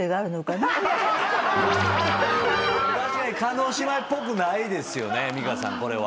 確かに叶姉妹っぽくないですよね美香さんこれは。